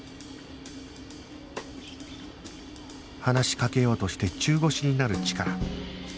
話しかけようとして中腰になるチカラ